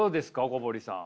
小堀さん。